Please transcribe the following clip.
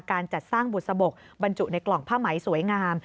การจัดสร้างบุษบกบรรจุในกล่องผ้าไหมสวยงาม